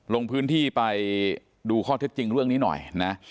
ลงพื้นที่ไปดูข้อเท็จจริงเรื่องนี้หน่อยนะ